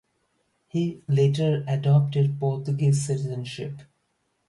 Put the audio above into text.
He later adopted Portuguese citizenship.